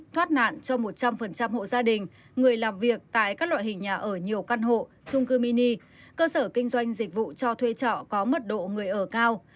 thoát nạn cho một trăm linh hộ gia đình người làm việc tại các loại hình nhà ở nhiều căn hộ trung cư mini cơ sở kinh doanh dịch vụ cho thuê trọ có mật độ người ở cao